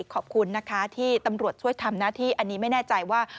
ขอบคุณนะคะที่ตำรวจช่วยทำหน้าที่อันนี้ไม่แน่ใจว่า